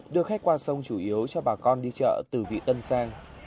đưa khách qua sông chủ yếu cho bà con đi chợ từ vị tân sang